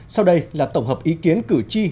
sau đây là tổng hợp ý kiến cử tri